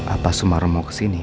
apa sumara mau kesini